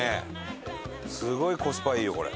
すごいコスパいいよこれ。